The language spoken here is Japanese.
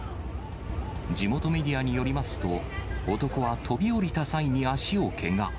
地元メディアによりますと、男は飛び降りた際に足をけが。